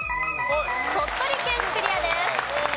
鳥取県クリアです。